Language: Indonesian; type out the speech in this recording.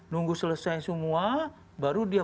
nunggu selesai semua baru dia